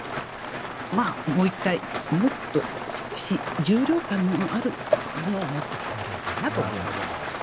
もう一回もっと少し重量感のあるものを持ってきてもらいたいなと思います。